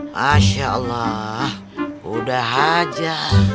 masya allah udah aja